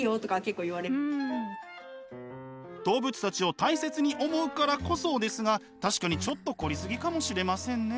動物たちを大切に思うからこそですが確かにちょっと凝り過ぎかもしれませんね。